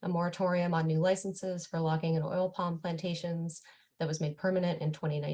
moratorium di lisensi baru untuk penyelamatan di plantasi palm minyak yang dilakukan secara permanen di dua ribu sembilan belas